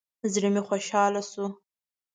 زړه مې خوشحاله شو.